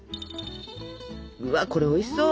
うわっこれおいしそう！